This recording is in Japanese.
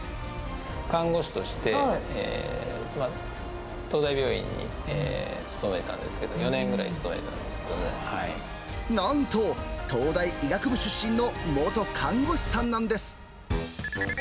看護師として東大病院に勤めたんですけど、なんと、東大医学部出身の元看護士さんなんです。